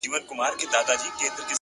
هوښیار انتخاب راتلونکې اندېښنې کموي،